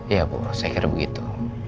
ya bu saya kira begitu